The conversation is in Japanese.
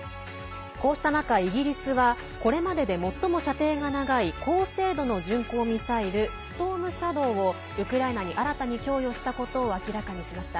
こうした中、イギリスはこれまでで最も射程が長い高精度の巡航ミサイル「ストームシャドー」をウクライナに新たに供与したことを明らかにしました。